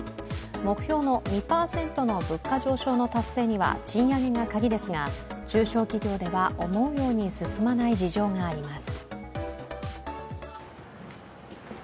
目標の２％の物価上昇の達成には賃上げがカギですが、中小企業では思うように進まない事情があります。